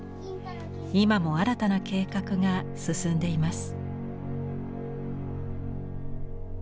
今も新たな計画が進んでいます。